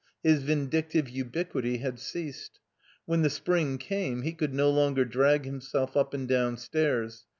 His vindictive ubiquity had ceased. When the spring came he could no longer drag himself up and down stairs.